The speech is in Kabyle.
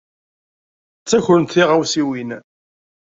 Ttakrent tiɣawsiwin.